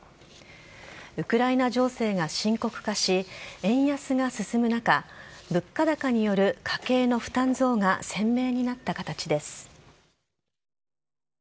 ウクライナ情勢が深刻化し円安が進む中物価高による家計の負担増が鮮明になったかたちです。